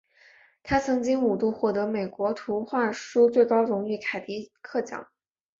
他曾经五度获得美国图画书最高荣誉凯迪克奖。